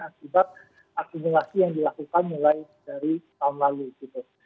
akibat akumulasi yang dilakukan mulai dari tahun lalu gitu